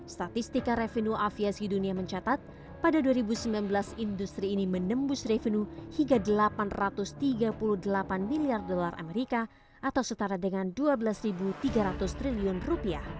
statistika revenue aviasi dunia mencatat pada dua ribu sembilan belas industri ini menembus revenue hingga rp delapan ratus tiga puluh delapan miliar dolar amerika atau setara dengan rp dua belas tiga ratus triliun